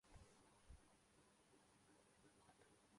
نہ Valentine day پہ کچھ ہونے دیں گے۔